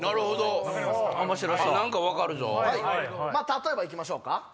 例えば行きましょうか？